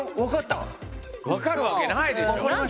分かるわけないでしょ？